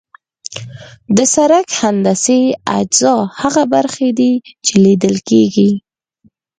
د سرک هندسي اجزا هغه برخې دي چې لیدل کیږي